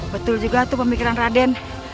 betul juga itu pemikiran raden